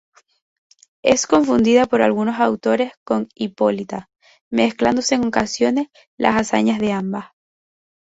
Es confundida por algunos autores con Hipólita, mezclándose en ocasiones las hazañas de ambas.